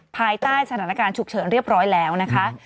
ภายใต้สถานการณ์ฉุกเฉินเรียบร้อยแล้วนะคะ